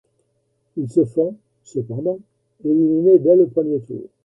Ils se font, cependant, éliminés dès le premier tour.